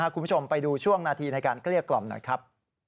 คุณผู้ชมไปดูช่วงนาทีในการเกลี้ยกล่อมหน่อยครับ